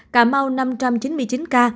cà mau năm trăm chín mươi chín ca